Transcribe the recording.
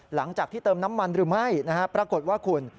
หลังจากที่เติมน้ำมันหรือไม่นะฮะปรากฏว่าคุณ